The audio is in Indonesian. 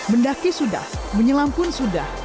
mendaki sudah menyelam pun sudah